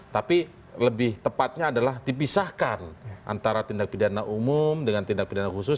tapi lebih tepatnya adalah dipisahkan antara tindak pidana umum dengan tindak pidana khusus